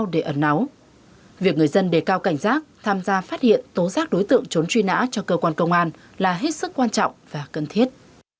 để người dân đề cao cảnh giác tham gia phát hiện tố giác đối tượng trốn truy nã cho cơ quan công an là hết sức quan trọng và cần thiết